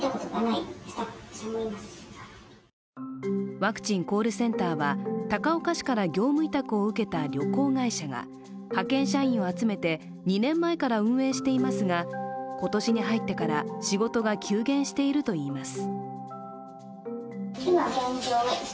ワクチンコールセンターは、高岡市から業務委託を受けた旅行会社が派遣社員を集めて２年前から運営していますが、今年に入ってから仕事が急減しているといいます。